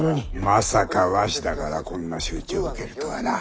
まさか鷲田からこんな仕打ちを受けるとはな。